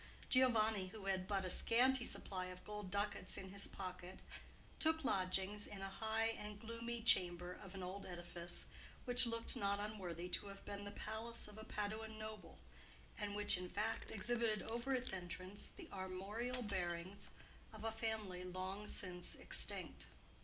Giovanni, who had but a scanty supply of gold ducats in his pocket, took lodgings in a high and gloomy chamber of an old edifice which looked not unworthy to have been the palace of a Paduan noble, and which, in fact, exhibited over its entrance the armorial bearings of a family long since extinct.